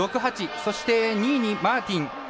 そして、２位にマーティン。